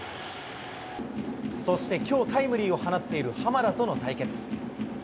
そして、きょうタイムリーを放っている濱田との対決。